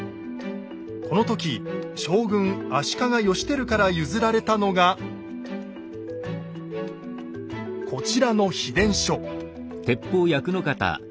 この時将軍・足利義輝から譲られたのがこちらの秘伝書。